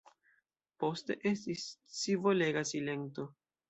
Poste estis scivolega silento.